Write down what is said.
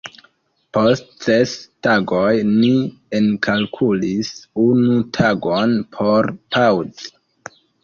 Post ses tagoj ni enkalkulis unu tagon por paŭzi.